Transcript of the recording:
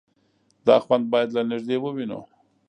_دا خوند بايد له نږدې ووينو.